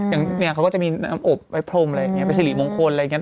อย่างเนี่ยเขาก็จะมีน้ำอบไว้พรมอะไรอย่างนี้เป็นสิริมงคลอะไรอย่างนี้